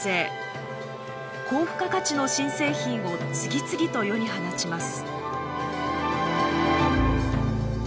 高付加価値の新製品を次々と世に放ちます。